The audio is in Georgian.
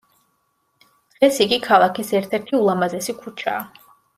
დღეს იგი ქალაქის ერთ-ერთი ულამაზესი ქუჩაა.